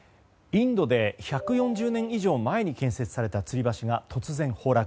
インドで１４０年以上前に建設されたつり橋が突然、崩落。